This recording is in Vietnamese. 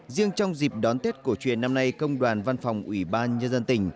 riêng trong dịp đón tết cổ truyền năm nay công đoàn văn phòng ủy ban nhân dân tỉnh